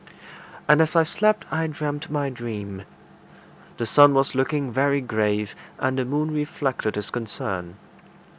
And as I slept I dreamed my dream. The sun was looking very grave, and the moon reflected his concern.